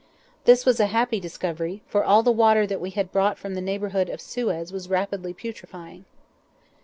This was a happy discovery, for all the water that we had brought from the neighbourhood of Suez was rapidly putrefying.